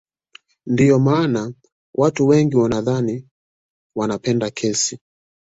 Ndio maana watu wengine wanadhani wanapenda kesi